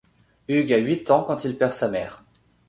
Hugues a huit ans quand il perd sa mère.